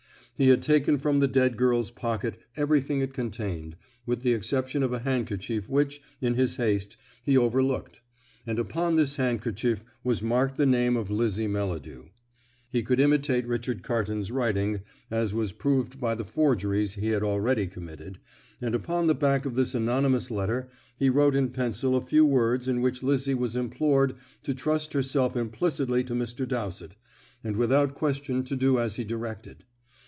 He had taken from the dead girl's pocket everything it contained, with the exception of a handkerchief which, in his haste, he overlooked; and upon this handkerchief was marked the name of Lizzie Melladew. He could imitate Richard Carton's writing as was proved by the forgeries he had already committed and upon the back of this anonymous letter he wrote in pencil a few words in which Lizzie was implored to trust herself implicitly to Mr. Dowsett, and without question to do as he directed.